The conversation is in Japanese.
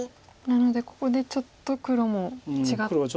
なのでここでちょっと黒も違った手を。